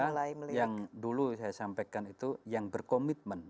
karena yang dulu saya sampaikan itu yang berkomitmen